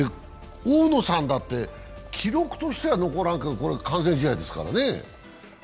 大野さんだって、記録としては残らないけど完全試合ですからね。